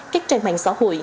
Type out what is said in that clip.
các trang mạng xã hội